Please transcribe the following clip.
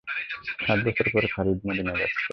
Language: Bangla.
সাত বছর পর খালিদ মদীনায় যাচ্ছেন।